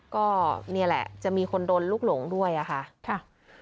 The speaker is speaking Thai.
ก็นี่แหละจะมีคนโดนลูกหลงด้วยอะค่ะ